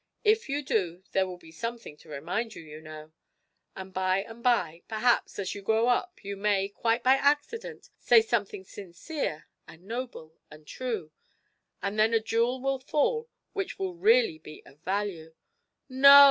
'If you do, there will be something to remind you, you know. And by and by, perhaps, as you grow up you may, quite by accident, say something sincere and noble and true and then a jewel will fall which will really be of value!' 'No!'